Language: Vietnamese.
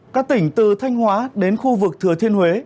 các tỉnh từ thanh hóa đến khu vực thừa thiên huế